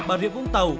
bà riệp vũng tàu